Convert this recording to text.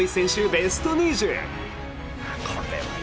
ベスト２０！